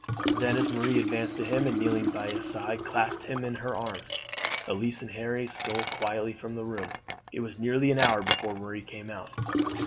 Then, as Marie advanced to him, and kneeling by his side, clasped him in her arms, Elise and Harry stole quietly from the room. It was nearly an hour before Marie came out.